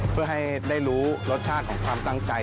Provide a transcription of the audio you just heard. เพื่อให้ได้รู้รสชาติของความตั้งใจ